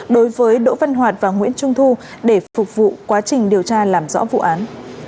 đối với đỗ văn hoạt và nguyễn trung thu để phục vụ quá trình điều tra làm rõ vụ án